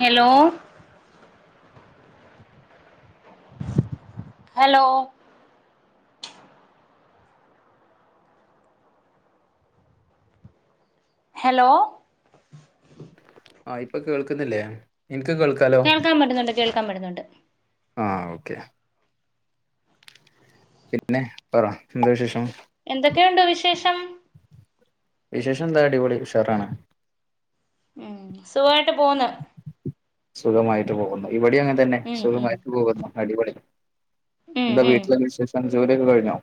Hello- hello- hello- ആഹ് ഇപ്പൊ കേൾക്കുന്നില്ലേ എനിക്ക് കേൾക്ക കേൾക്കാൻ പറ്റുന്നുണ്ട് കേൾക്കാൻ പറ്റുന്നുണ്ട്. ആഹ് ഓക്കെ. പിന്നെ പറഎന്താ വിശേഷം? എന്തൊക്കെയുണ്ട് വിശേഷം? വിശേഷംന്താ അടിപൊളി ഉഷാറാണ് സുഖായിട്ട് പോന്ന് സുഖമായിട്ട് പോകുന്നു ഇവിടെ അങ്ങനെ തന്നെ ഉം ഉം സുഖമായിട്ട് പോകുന്നു അടിപൊളി ഉം എന്താ ഉം വീട്ടില ഞാ വി ശേഷം ജോലിയൊക്കെ കഴിഞ്ഞോ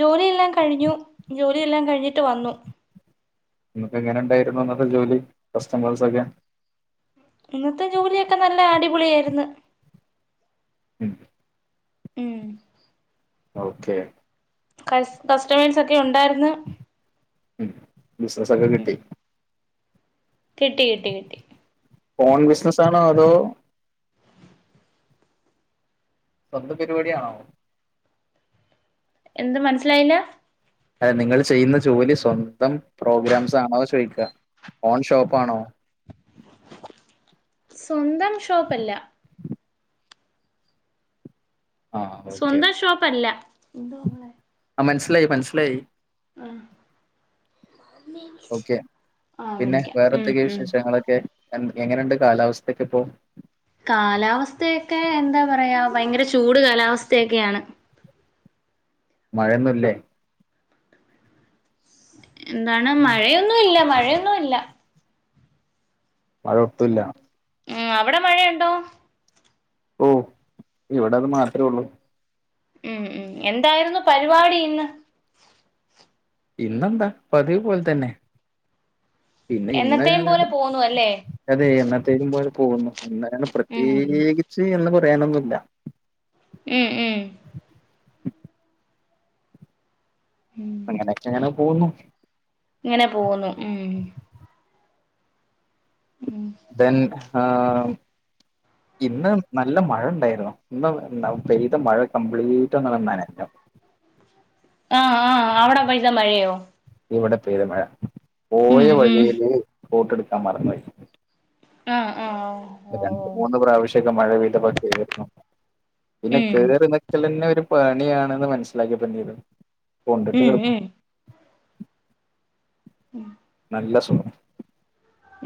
ജോലിയെല്ലാം കഴിഞ്ഞു ജോലിയെല്ലാം കഴിഞ്ഞിട്ട് വന്നു ഇന്നട്ടെ ങ്ങനെ ണ്ടായിരുന്നു അന്നത്തെ ജോലി കസ്റ്റമേഴ്സൊക്കെ ഇന്നത്തെ ജോലിയൊക്കെ നല്ല അടിപൊളിയായിരുന്ന് [inaudible] മ്മ്. ഓക്കെ കസ് കഴ്സ്റ്റ മേഴ്സ് ഒക്കെ ഉണ്ടായിര്ന്ന് ബിസിനസൊ ക്കെ ഉം കിട്ടി കിട്ടി കിട്ടി കിട്ടി ഫോൺ ബിസിനസ് ആണോ അതോ? സ്വന്ത പരിപാടിയാണോ? എന്ത് മനസ്സിലായില്ല അല്ലെ നിങ്ങള് ചെയ്യുന്ന ജോലി സ്വന്തം പ്രോഗ്രാംസ് ആണോചോയിക്ക ഓൺ ഷോപ്പാണോ സ്വന്തം ഷോപ്പല്ലാ ആഹ് ഓക്കെ സ്വന്തം ഷോപ്പല്ല ആഹ് മൻസിലായി മൻസിലായി [inaudible] ഓക്കെ ആഹ് പിന്നെ വിളിക്കാം വേറെ ഉം എന്തൊക്കെയാ ഉം വിശേഷങ്ങളൊക്കെ എ എങ്ങനെയുണ്ട് കാലാവസ്ഥക്കെ ഇപ്പൊ കാലാവസ്ഥയെക്കെ എന്താ പറയാ ഭയങ്കര ചൂട് കാലാവസ്ഥയെക്കെയാണ് മഴയൊന്നുംല്ലേ എന്താണ് മഴയൊന്നുല്ലാ മഴയൊന്നുല്ല മഴൊട്ടുംഇല്ല ഉം അവിടെ മഴയുണ്ടോ? ഓ ഇവിടെ അത് മാത്രേ ഉള്ളൂ ഉം ഉം എന്തായിരുന്നു പരിപാടി ഇന്ന്? ഇന്നെന്താ പതിവ് പോലെ തന്നെ പിന്നെ ഇന്ന് എന്നത്തെയും പോലെ പോന്നു അല്ലേ അതെ എന്നത്തേക്കും പോലെ പോകുന്നു ഇന്നാങ്ങനെ ഉം പ്രത്യേകിച്ച് എന്ന് പറയാനൊന്നുല്ല ഉം ഉം [inaudible] അങ്ങനെയൊക്കെ ങ്ങനെ പോകന്നു ഇങ്ങനെ പോകുന്നു ഉം.. [inaudible] ദെൻ ആഹ് ഇന്ന് നല്ല മഴ ഉണ്ടായിരുന്നു ഇന്ന് പെയ്ത മഴ കംപ്ലീറ്റങ്ങട് നനഞ്ഞു ആഹ് ആഹ് അവിടെ പെയ്ത മഴയൊ? ഇവിടെ പെയ്ത മഴ പോയ ഉം ഉം വഴിയില് കോട്ടെടുക്കാൻ മറന്നോയ് ആഹ് ആഹ് ഓ ഹ് രണ്ട മൂന്ന് പ്രാവശ്യോക്കെ മഴ പെയ്തപ്പോ കേറിന്നു പിന്നെ ഉം കേറി ക്കലെന്നെ ഒരു പണിയാണ്ന്ന് മനസ്സിലാക്കിപ്പൊന്ത്‌ ചെയ്തു കൊണ്ടിട്ട് ഉം ഇങ്ങ ഉം [unintelligible] നല്ല സുഗം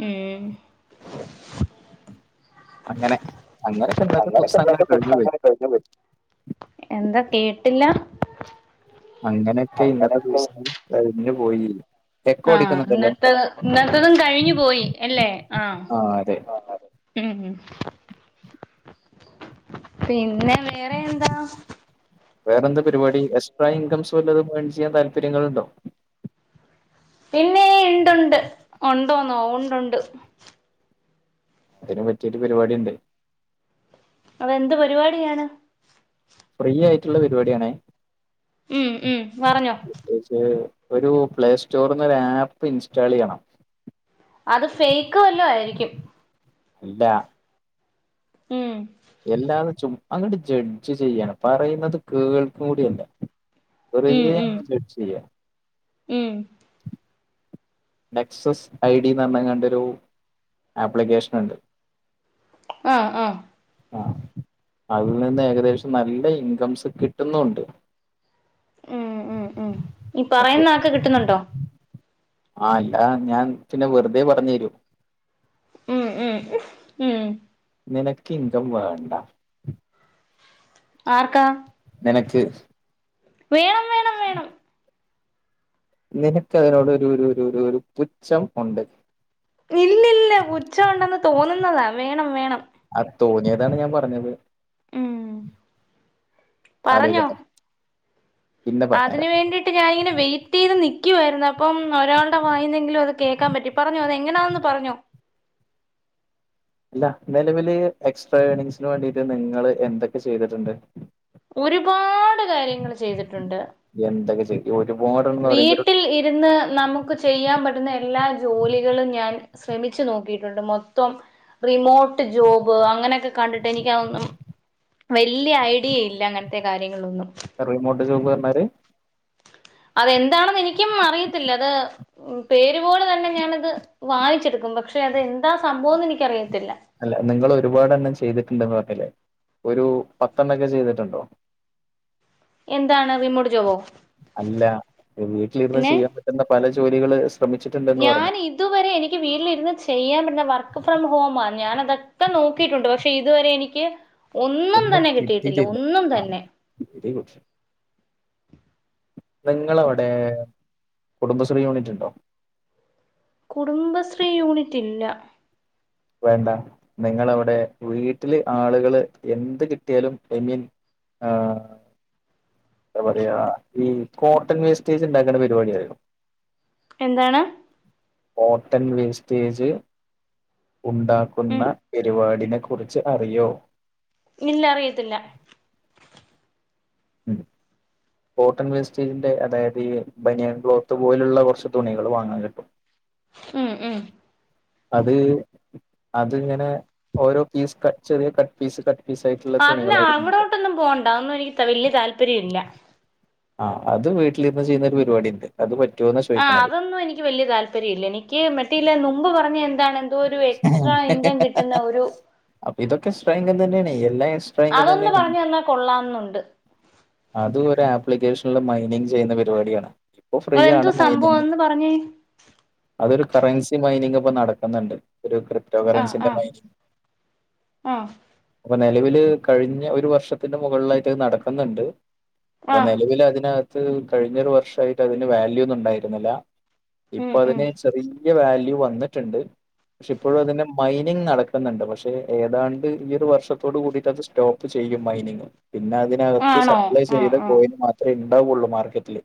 ഉം അങ്ങനെ അങ്ങനൊക്കെ അങ്ങനൊക്കെ ന്നിത്തസം ഇന്നത്തെ അങ്ങനെ ദിവസം കഴിഞ് പോയി അങ്ങനെ കഴിഞ്ഞു പോയി. എന്താ കേട്ടില്ല അങ്ങനെയൊക്കെ ഇന്നത്തെ അങ്ങനൊക്കെ ദിവസം കഴിഞ് പോയി എക്കോ ആഹ് അടിക്കുന്നുണ്ടല്ലോ ഇന്നത്തെ ഇന്നത്തതും കഴിഞ്ഞു പോയി അല്ലേ ആഹ് ആ അതെ ആ അതെ ഉംഹും പിന്നെ വേറെ എന്താ? വേറെ എന്ത പരിപാടി എക്സ്ട്രാ ഇൻകംസ് വല്ലതും ഏൺ ചെയ്യാൻ താപര്യങ്ങളിണ്ടോ? പിന്നെ ഇണ്ടുണ്ട് ഉണ്ടോന്നോ ഉണ്ടുണ്ട് അതിനു പറ്റിയെരു പരിപാടിണ്ട്. അതെന്ത് പരിപാടിയാണ് ഫ്രീ ആയിറ്റുള്ള പരിപാടിയാണേ ഉം ഉം പറഞ്ഞോ പ്രത്യേകിച്ച് ഒരു പ്ലേ സ്റ്റോറിന്നൊരു ആപ്പ് ഇൻസ്റ്റാള് ചെയ്യണം അത് ഫേക്ക് വല്ലോംആയിരിക്കും ഇല്ല ഉം എല്ലാന്ന് ചും അങ്ങോട്ട് ജഡ്ജ് ചെയ്യാണ് പറയുന്നത് കേൾക്കുകൂടിയില്ല ഉം വെറുതേ ഉം അങ് ജഡ്ജ് ചെയ്യ ഉം നെക്സസ് ഐഡിന്ന് പറഞെങ്ങാണ്ടൊരു ആപ്ലിക്കേഷനുണ്ട് ആഹ ആഹ ആ അതിൽ നിന്ന് ഏകദേശം നല്ല ഇൻകംസ് കിട്ടുന്നൂണ്ട് ഉം ഉം ഉം ഈ ഓക്കെ പറയുന്നയാൾക്ക് കിട്ടുന്നുണ്ടോ? ആ അല്ല ഞാൻ പിന്നെ വെറുതെ പറഞ്ഞു തരവോ ഉം ഉം ഉ ഉം നിനക്ക് ഇങ്കം വേണ്ട ആർക്കാ? നിനക്ക് വേണംവേ ഉം നിനക്ക് അതിനോടൊരു ഒരു ഒരു ഒരു പുച്ഛം ഉണ്ട്. ഇല്ലില്ല പുച്ഛമുണ്ടെന്ന് തോന്നുന്നതാ വേണം വേണം. ആ തോന്നിയതാണ് ഞാൻ പറഞ്ഞത്. ഉം ആലോയിക്കട്ടെ. അതിനു വേണ്ടിട് ട്ട് ഞാനിങ്ങനെ വെയിറ്റ് ചെയ്ത് നിൽക്കുവായിരുന്നു അപ്പം ഒരാളുടെ വായുന്നെങ്കിലും അത് കേൾക്കാൻ പറ്റി പറഞ്ഞോ അത് എങ്ങനാണെന്ന് പറഞ്ഞോ അല്ല നിലവല് എക്സ്ട്രാ ഏണിംഗസിന് വേണ്ടിയിട്ട് നിങ്ങള് എന്തൊക്കെ ചെയ്തിട്ടുണ്ട്. ഒരുപാട് കാര്യങ്ങള് ചെയ്തിട്ടുണ്ട്. എന്തക്ക ചെയ് ഈ ഒരുപാട് വീട്ടിൽ ഇരുന്ന് നമുക്ക് ചെയ്യാൻ പറ്റുന്ന എല്ലാ ജോലികളും ഞാൻ ശ്രമിച്ചു നോക്കിയിട്ടുണ്ട് മൊത്തം റിമോട്ട് ജോബ് അങ്ങനോക്കെ കണ്ടിട്ട് എനിക്കതൊന്നും വലൃ ഐഡിയില്ല അങ്ങനത്തെ കാര്യങ്ങളൊന്നും റിമോട്ട് ജോബ് പറഞ്ഞാലേ അതെന്താണെന്ന് എനിക്കും അറിയത്തില്ല അത് ഉ പേരുപോലെ തന്നെ ഞാനത് വായച്ചെടുക്കും പക്ഷെ അത് എന്താ സംഭവംന്ന് എനിക്കറിയത്തില്ല അല്ല നിങ്ങൾ ഒരുപാട് എണ്ണം ചെയ്തിട്ടുണ്ടെന്ന് പറഞ്ഞില്ലേ ഒരു പത്തെണ്ണക്കെ ചെയ്തിട്ടുണ്ടോ? എന്താണ് റിമോട്ട് ജോബോ? അല്ല ഈ വീട്ടിലിരുന്ന് ചെയ്യാൻ പറ്റുന്ന പല ജോലികള് ശ്രമിച്ചിട്ടുണ്ടെന്ന് പറഞ്ഞു ഞാനിത ഇതുവരെ എനിക്ക് വീട്ടിലിരുന്ന് ചെയ്യാൻ പറ്റുന്ന വർക്ക് ഫ്രം ഹോമാ ഞാനതൊക്കെ നോക്കിയിട്ടുണ്ട് പക്ഷേ ഇതുവരെ എനി നിക്ക്‌ ഒന്നും തന്നെ കിട്ടിയിട്ടില്ല ഒന്നും തന്നെ വെരിഗുഡ് നിങ്ങളവിടെ കുടുംബശ്രീ യൂണിറ്റു ണ്ടോ? കുടുംബശ്രീ യൂണിറ്റില്ല വേണ്ട നിങ്ങളവിടെ വീട്ടില് ആളുകള് എന്ത് കിട്ടിയാലും ഐമീൻ ആഹ് എന്താ പറയാ ഈ കോട്ടൺ വേസ്റ്റേജ് ഇണ്ടാക്കണ പരിപാടിയറിയോ എന്താണ് കോട്ടൺ വേസ്റ്റേജ് ഉണ്ടാക്കുന്ന ഉം പരിപാടിനെക്കുറിച്ച് അറിയോ? ഇല്ല അറിയത്തില്ല. ഉം. കോട്ടൺ വേസ്റ്റേജിന്റെ അതായത് ഈ ബനിയൻ ക്ലോത്ത് പോലുള്ള കുറച്ച് തുണികൾ വാങ്ങാൻ കിട്ടും. ഉം ഉം. അത് അതിങ്ങനെ ഓരോ പീസ് കട്ട് ചെറിയ കട്ട് പീസ് കട്ട് പീസ് ആയിട്ടുള്ള അല്ല തുണികളായിരുന്നു അങ്ങോടോട്ടൊന്നും പോകണ്ട അത് ഒന്നും എനിക്ക് വലിയ താല്പര്യം ഇല്ല. ആഹ് അത് വീട്ടിൽ ഇരുന്ന് ചെയ്യുന്ന ഒരു പരിപാടി ഉണ്ട്. അത് പറ്റൊന്ന ആഹ് അതോന്നും എനിക്ക് വലിയ താല് താല്പര്യയില്ല എനിക്ക് മറ്റേയില് മുമ്പ് പറഞ്ഞ എന്താണ് എന്തോ ഒരു എക്സ്ട്രാ ഇൻകം കിട്ടുന്ന ഒരു അപ്പൊ ഇതൊക്കെ എക്സ്ട്രാ ഇൻകം തന്നെയാണ് എല്ലാം എക്സ്ട്രാ ഇൻകം അതൊന്ന് തന്നെയാണ്. പറഞ്ഞു തന്നാ കൊള്ളാംന്നുണ്ട് അത് ഒരു ആപ്ലിക്കേഷനിൽ മൈനിങ് ചെയ്യുന്ന പരിപാടിയാണ് ഇപ്പൊ അതെന്തോ ഫ്രീയണ് സംഭവം മൈനിങ്. ഒന്ന് പറഞ്ഞേ അതൊരു കറൻസി മൈനിങ് ഇപ്പ നടക്കുന്നുണ്ട് ഒരു കൃത്യ ഹിറ്റോ ആഹ് കറൻസിന്റെ ആഹ് മയ്നിങ്. ആഹ് അപ്പൊ നിലവില് കഴിഞ്ഞ ഒരു വർഷത്തിന്റെ മുകളിലായിട്ട്ത് നടക്കുന്നുണ്ട്. അപ്പൊ ആഹ് നിലവില് അതിനകത്ത് കഴിഞ്ഞൊരു വർഷായിട്ട് അതിന് വാല്യൂ ഒന്നും ഉണ്ടായിരുന്നില്ല. ഇപ്പ ഉം ഉം അതിന് ചെറിയ വാല്യൂ വന്നിട്ടുണ്ട്. പക്ഷെ ഇപ്പോഴും അതിന്റെ മൈനിങ് നടക്കുന്നുണ്ട് പക്ഷെ ഏതാണ്ട് ഈ ഒരു വർഷത്തോട് കൂടിയിട്ട് അത് സ്റ്റോ ചെയ്യും മൈനിങ് പിന്നെ അത് ഇതിനകത്ത് ആണോ സപ്ലൈ ആഹ് ചെയ്ത ആഹ് കോയിന് മാത്രമേ ഉണ്ടാവുള്ളൂ മാർക്കറ്റില്.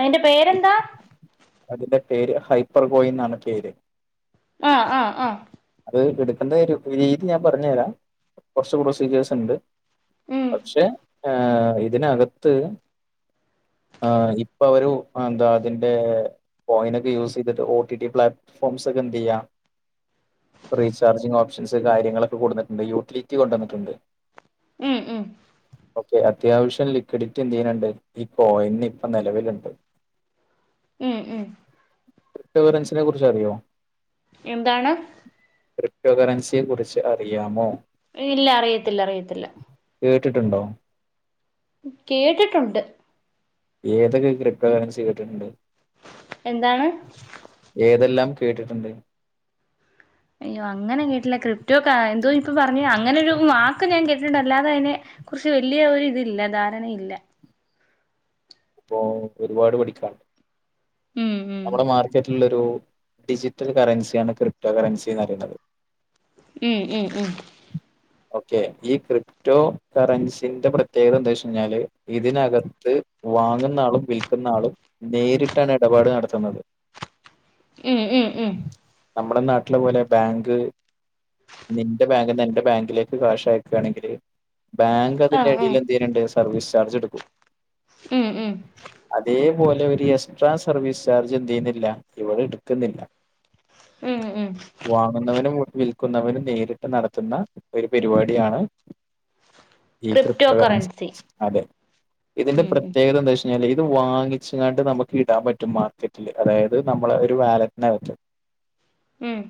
അയ്ന്റെ പേരെന്താ? അതിന്റെ പേര് ഹൈപ്പർഗോയിന്നാണ് പേര്. ആഹ് ആഹ് ആഹ് അത് എടുക്കേണ്ട ഒരു രീതി ഞാൻ പറഞ്ഞഞ് തരാം കുറച്ച് പ്രൊസീജിയേഴ്സ് ഉണ്ട്. ഉം പക്ഷെ ഏ ഇതിനകത്ത്. ആഹ് ഇപ്പ ഒരു ആ എന്താ അതിന്റെ. പോയിനൊക്കെ യൂസ് ചെയ്തിട്ട് ഒ ടി ടി പ്ലാറ്റ്ഫോംസ് ഒക്കെ എന്ത് ചെയ്യാ. റീചാർജിംഗ് ഓപഷസ് കാര്യങ്ങളക്കെ കൊടുന്ന്ണ്ട്ന്ണ്ട് യൂറ്റിലിറ്റികൊണ്ടന്ന്ട്ടുണ്ട്. ഉം ഉം ഓക്കെ അത്യാവശ്യം ലിക്വിഡിറ്റി എന്ത്‌ ചെയ്യന്ണ്ട് ഈ കോയിൻ ഇപ്പൊ നിലവിലുണ്ട്. ഉം ഉം ക്രിപ്റ്റോ കറൻസിനെ കുറിച്ച് അറിയോ? എന്താണ്. ക്രിപ്റ്റോ കറൻസിയെ കുറിച്ച് അറിയാമോ? ഇല്ല അറിയത്തില്ല അറിയത്തില്ല. കേട്ടിട്ടുണ്ടോ? കേട്ടിട്ടുണ്ട്. ഏതൊക്കെ ക്രിപ്റ്റോകറൻസി കേട്ടിട്ടുണ്ട്? എന്താണ്. ഏതെല്ലാം കേട്ടിട്ടുണ്ട്? അയ്യോ അങ്ങനെ കേട്ടില്ല ക്രിപ്റ്റോ ക്കാ എന്തോ ഇപ്പൊ പറഞ്ഞേ അങ്ങനൊ ഒരു വാക്ക് ഞാൻ കേട്ടിട്ടുണ്ട് അല്ലാതെ അതിനെ. കുറച്ച് വലിയ ഒരു ഇതില്ല ധാരണയില്ല. ഇപ്പോ ഒരുപാട് പടിക്കാനുണ്ട് ഉം ഉം നമ്മുടെ മാർക്കറ്റിലുള്ളൊരു ഡിജിറ്റൽ കറൻസിയാണ് ക്രിപ്റ്റോ കറൻസിയെന്ന് പറയുന്നത്. ഉം ഉം ഉം. ഓക്കേ ഈ ക്രിപ് റ്റോ കറൻസിന്റെ പ്രത്യേകത എന്താന്ന് വെച്ച് കഴിഞ്ഞാൽ ഇതിനകത്ത് വാങ്ങുന്ന ആളും വിൽ ന്ന ആളും നേരിട്ടാണ് ഇടപാട് നടത്തുന്നത്. ഉം ഉം ഉം നമ്മുടെ നാട്ടിലെ പോലെ ബാങ്ക് നിന്റെ ബാങ്കിന്നൊ എന്റെ ബാങ്ക് ഇതിലേക്ക് കാഷ് അയക്കുകയാണെങ്കില് ബാങ്ക് ആ അതിന്റെ ആ അടിയിൽ എന്ത് ചെയ്യണുണ്ട് സർവീസ് ചാർജ് എടുക്കും ഉം ഉം അതേപോലെ ഒരു എക്സ്ട്രാ സർവീസ് ചാർജ് എന്ത് ചെയ്യുന്നില്ല ഇവര് എടുക്കുന്നില്ല ഉം ഉം വാങ്ങുന്നവനും വി വിൽക്കുന്നവനും നേരിട്ട് നടത്തുന്ന ഒരു പരിപാടിയാണ് ഈ ക്രിപ്റ്റോ കറൻസി അതെ ഇതിന്റെ ഉം ഉം പ്രത്യേകത എന്താ വച്ചാ അല്ല ഇത് വാങ്ങിച്ചങ്ങാണ്ട് നമുക്ക് ഇടാൻ പറ്റും മാർക്കറ്റില് അതായത് നമ്മള് ഒരു വാലറ്റിനകത്ത് ഉം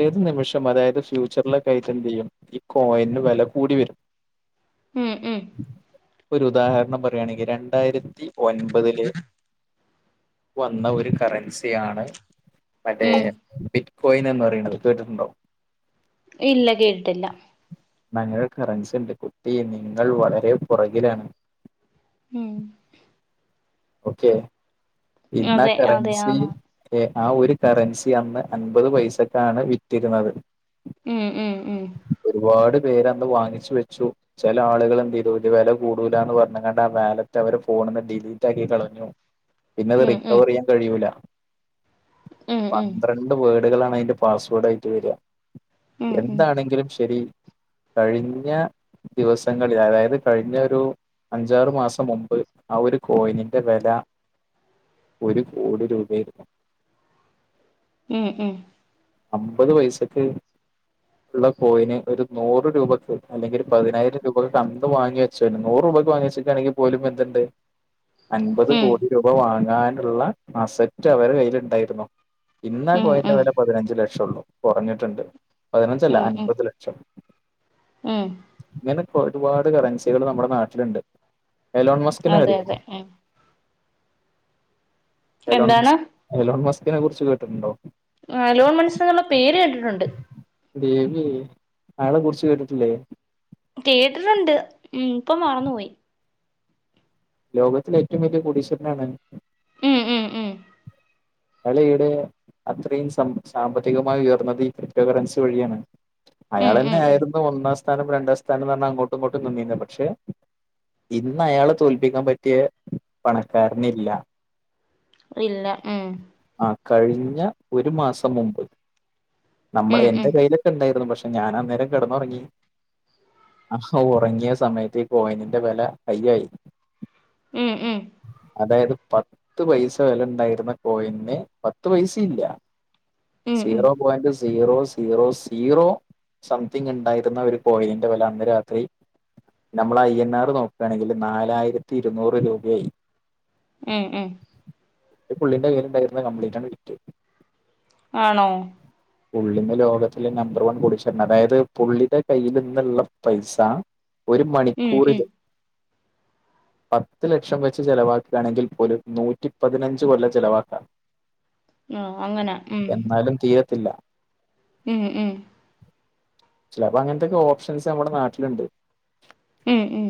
ഏത് നിമിഷം അതായത് ഫ്യൂച്ചറിലെ കഴി ഞ്ഞിട്ട് എന്ത് ചെയ്യും ഈ കോയിന് വില കൂടി വരും ഉം ഉം ഒരു ഉദാഹരണം പറയാണെങ്കി രണ്ടായിരത്തി ഒൻപതില് വന്ന ഒരു കറൻസിയാണ് മറ്റേ ഉം ടി കോയിൻ എന്ന് പറയണത് കേട്ടിട്ടുണ്ടോ ഇല്ല കേട്ടിട്ടില്ല അങ്ങനെ ഒരു കറൻസി ഉണ്ട് കുട്ടി നിങ്ങൾ വളരെ പുറകിലാണ് ഉം കൊച്ചേ ഇന്നാ അതെ അതെ കറൻസി ആന്ന് ഏ ആ ഒരു കറൻസി അന്ന് അൻപത് പൈസക്കാണ് വിറ്റിരുന്നത് ഉം ഉം ഉം ഒരുപാട് പേര് അന്ന് വാങ്ങിച്ചു വെച്ചു ചില ആളുകള് എന്ത് ചെയ്തു ഇത് വില കൂടുലാന്ന് പറഞ്ഞങ്ങാണ്ട് ആ വാലറ്റ് അവര് ഫോണീന്ന് ഡിലീറ്റാക്കി കളഞ്ഞു പിന്നത് ഉം ഉം റിക്കവറ് ചെയ്യാൻ കഴിയൂല ഉം ഉം പന്ത്ര ണ്ട് വേഡുകളാണ് അതിന്റെ പാസ്സ്‌വേർഡ് ആയിട്ട് വരിക ഉം ഉം എന്താണെങ്കിലും ശരി കഴിഞ്ഞ ദിവസങ്ങളിൽ അതായത് കഴിഞ്ഞ ഒരു അഞ്ചാറു മാസം മുമ്പ് ആ ഒരു കോയിനിന്റെ വില ഒരു കോടി രൂപയായിരുന്നു ഉം ഉം അമ്പത് പൈസക്ക് ഉള്ള കോയിന് ഒരു നൂറ് രൂപയ്ക്ക് അല്ലെങ്കിൽ ഒരു പതിനായിരം രൂപക്കൊക്കെ അന്ന് വാങ്ങിയ ച്ച നൂറ് രൂപക്ക് വാങ്ങി വച്ചേക്കുവാണെങ്കി പോലും എന്തുണ്ട് അൻപത് ഉം കോടി രൂപ വാങ്ങാനുള്ള അസറ്റ് അവരുടെ കയ്യിലുണ്ടായിരുന്നു ഇന്നാ ഉം ഉം കോയിന്റെ വില പതിനഞ്ച് ലക്ഷം ഉള്ളൂ കുറഞ്ഞിട്ടുണ്ട് പതിനഞ്ചല്ല ഉം ഉം അൻപത് ല ക്ഷം ഉം ഇങ്ങനെക്കെ ഒരുപാട് കറൻസികൾ നമ്മുടെ നാട്ടിലുണ്ട് എലോൺ മസ്കിന് അതെ അറിയോ അതെ ഉം എന്താണ് എലോൺമസ്ക് എലോൺ മസ്കിനെ കുറിച്ച് കേട്ടിട്ടുണ്ടോ ആഹ് എലോൺ മസ്ക് എന്നുള്ള പേര് കേട്ടിട്ടുണ്ട് ദേവിയെ ആളെ കുറിച്ച് കേട്ടിട്ടില്ലേ കേട്ടിട്ടുണ്ട് ഉം ഇപ്പം മറന്നു പോയി ലോകത്തിലെ ഏറ്റവും വലിയ കോടീശ്വരനാണ് ഉം ഉം ഉം അവളിയിടെയാ അത്രയും സമ്പ സാമ്പത്തികമായി ഉയർന്നത് ഈ ക്രിപ്റ്റോ കറൻസി വഴിയാണ് ഉം അയാള് തന്നെ ഉം ഉം ആയിരുന്നു ഒന്നാം സ് ഥാനം രണ്ടാം സ്ഥാനം എന്ന് പറഞ്ഞ് അങ്ങോട്ടും ഇങ്ങോട്ടും നിന്നിന് പക്ഷെ ഇന്ന് അയാള് തോൽ പ്പിക്കാൻ പറ്റിയ പണക്കാരനില്ല ഇല്ല ഉം ആഹ് കഴിഞ്ഞ ഒരു മാസം മുമ്പ് നമ്മടെ ഉം എൻ്റെ ഉം കൈയില് ഉണ്ടായിരുന്നു പക്ഷെ ഞാൻ അന്നേരം കിടന്നുറങ്ങി ഒറങ്ങിയ സമയത്ത് ഈ കോയിനിന്റെ വില ഹൈയ്യായി. ഉം ഉം അതായത് പത്ത് പൈസ വില ഉണ്ടായിരുന്ന കോയിന് പത്ത് പൈസ ഇല്ല ഉം ഉം സീറോ പോയിൻ്റ് സ് സീറോ സീറോ സീറോ സംതിങ് ഒണ്ടായിരുന്ന ഒരു കോയിൻ്റെ വില അന്ന് രാത്രി നമ്മള് ഐ എൻ ആർ നോക്കുകയാണെങ്കിൽ നാലായിരത്തി ഇരുന്നൂറ് രൂപയായി. ഉം ഉം ഈ പുള്ളിന്റെ കൈയിലുണ്ടായിരുന്നത് കംപ്ലീറ്റ് ആണ് വിറ്റു ആണോ [inaudible] പുള്ളിന്ന് ലോകത്തിൽ നമ്പർ വൺ കോടീശ്വരനാ അതായത് പുള്ളിടെ കയ്യിൽ ഇന്നുള്ള പൈസ ഒരു ഉം മണിക്കൂറിൽ ഉം പത്ത് ലക്ഷം വെച്ച് ചെലവാക്കുകയാണെങ്കിൽ പോലും നൂറ്റി പതിനഞ്ച് കൊല്ലം ചെലവാക്കാം. ആ അങ്ങനെ ഉം എന്നാലും തീരത്തില്ല ഉം ഉം ചെലപ്പം അങ്ങനത്തൊക്കെ ഓപഷൻസ് നമ്മുടെ നാട്ടിലുണ്ട് ഉം ഉം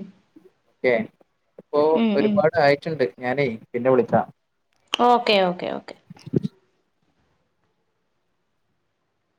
[unintelligible] ഇപ്പോ ഉം ഉം ഒരുപാട് ആയിട്ടുണ്ട് ഞാനേ പിന്നെ വിളിക്കാം. Okay okay okay